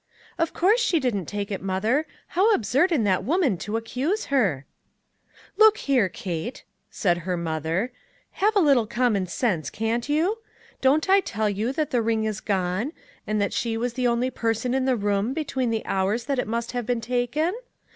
" Of course, she didn't take it, mother, how absurd in that woman to accuse her !"" Look here, Kate," said her mother, " have a little common sense, can't you? Don't I tell you that the ring is gone, and that she was the only person in the room, between the hours that it must have been taken?